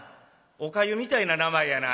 おかゆみたいな名前やな」